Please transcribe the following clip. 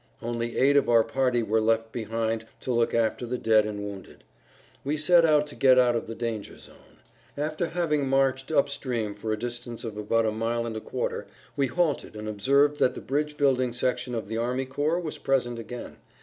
Only eight of our party were left behind to look after the dead and wounded. We set out to get out of the danger zone. After having marched up stream for a distance of about a mile and a quarter we halted and observed that the bridge building section of the army corps was present again.